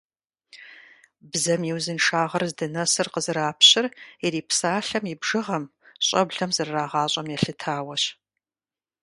Бзэм и узыншагъэр здынэсыр къызэрапщыр ирипсалъэм и бжыгъэм, щӀэблэм зэрырагъащӀэм елъытауэщ.